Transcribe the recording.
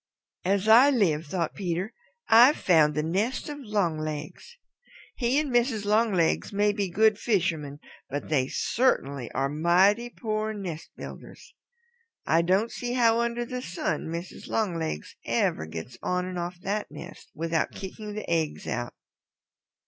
"As I live," thought Peter, "I've found the nest of Longlegs! He and Mrs. Longlegs may be good fishermen but they certainly are mighty poor nest builders. I don't see how under the sun Mrs. Longlegs ever gets on and off that nest without kicking the eggs out."